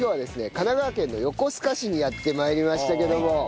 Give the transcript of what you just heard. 神奈川県の横須賀市にやって参りましたけども。